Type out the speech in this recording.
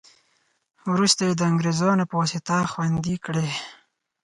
وروسته یې د انګرېزانو په واسطه خوندي کړې.